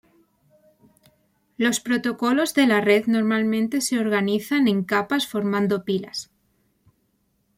Los protocolos de la red normalmente se organizan en capas formando pilas.